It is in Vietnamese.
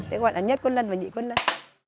thế gọi là nhất cuốn lân và nhị cuốn lân